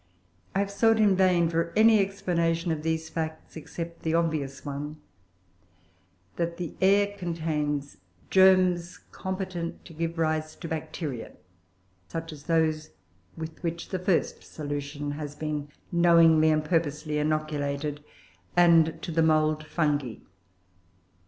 I have sought in vain for any explanation of these facts, except the obvious one, that the air contains germs competent to give rise to Bacteria, such as those with which the first solution has been knowingly and purposely inoculated, and to the mould Fungi.